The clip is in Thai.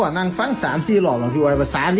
หนาห้าดห้าดเอ้อ